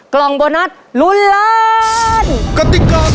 ครอบครัวของแม่ปุ้ยจังหวัดสะแก้วนะครับ